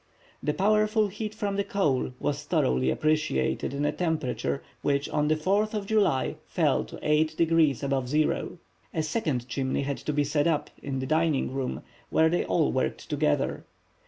The powerful heat from the coal was thoroughly appreciated in a temperature which on the 4th of July fell to eight degrees above zero. A second chimney had been set up in the dining room, where they all worked together.